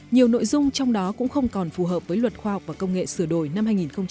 nhiều nội dung trong đó cũng không còn phù hợp với luật khoa học và công nghệ sửa đổi năm hai nghìn một mươi ba